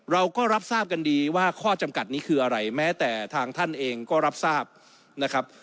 เราก็รับทราบกันดีว่าข้อจำกัดนี้คืออะไรแม้แต่ทางท่านเองก็รับทราบนะครับ